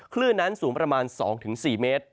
คลื่นนั้นสูงประมาณ๒๔เมตร